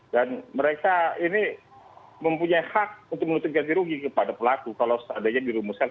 dan mereka ini mempunyai hak untuk menutup gaji rugi kepada pelaku kalau seadanya dirumuskan